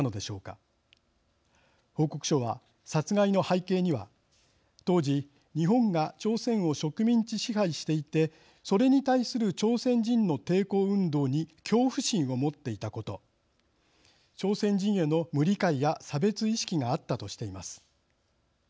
報告書は殺害の背景には当時日本が朝鮮を植民地支配していてそれに対する朝鮮人の抵抗運動に恐怖心を持っていたこと朝鮮人への無理解や差別意識があったとしています。